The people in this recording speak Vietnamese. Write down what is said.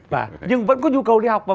năng lực nhưng vẫn có nhu cầu đi học và